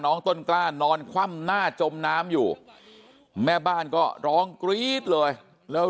ต้นกล้านอนคว่ำหน้าจมน้ำอยู่แม่บ้านก็ร้องกรี๊ดเลยแล้ว